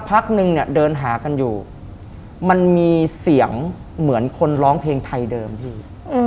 พักนึงเนี่ยเดินหากันอยู่มันมีเสียงเหมือนคนร้องเพลงไทยเดิมพี่